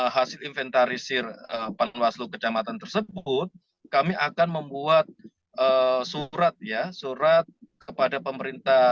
hasil inventarisir panwaslu kecamatan tersebut kami akan membuat surat ya surat kepada pemerintah